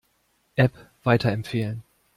App weiterempfehlen.